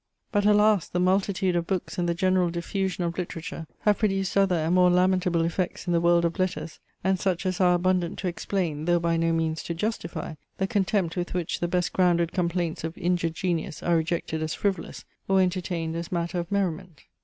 But, alas! the multitude of books and the general diffusion of literature, have produced other and more lamentable effects in the world of letters, and such as are abundant to explain, though by no means to justify, the contempt with which the best grounded complaints of injured genius are rejected as frivolous, or entertained as matter of merriment.